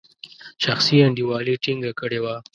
شخصي انډیوالي ټینګه کړې وه.